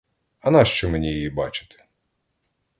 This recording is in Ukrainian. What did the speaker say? А нащо мені її бачити?